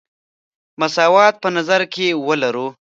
مساوات په نظر کې ولرو.